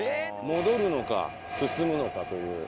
戻るのか進むのかという。